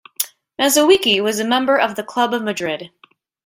Mazowiecki was a member of the Club of Madrid.